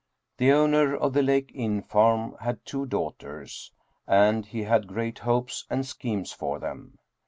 The owner of the Lake Inn farm had two daughters, and he had great hopes and schemes for them.